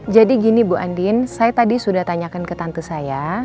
jadi gini bu andin saya tadi sudah tanyakan ke tante saya